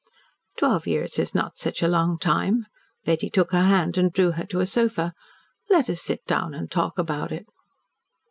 "Twelve years is not such a long time." Betty took her hand and drew her to a sofa. "Let us sit down and talk about it."